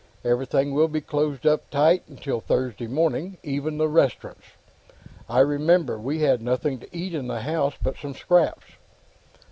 Everything will be closed up tight till Thursday morning; even the restaurants. I remember, we had nothing to eat in the house but some scraps."